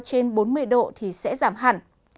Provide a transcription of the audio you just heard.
trên bốn mươi độ thì sẽ giảm hẳn